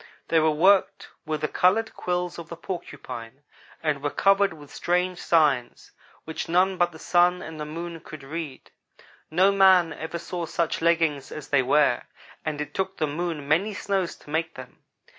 They were worked with the colored quills of the Porcupine and were covered with strange signs, which none but the Sun and the Moon could read. No man ever saw such leggings as they were, and it took the Moon many snows to make them.